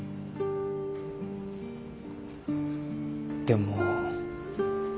でも。